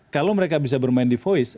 kalau mereka bisa bermain di voice